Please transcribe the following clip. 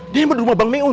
demo di rumah bang meun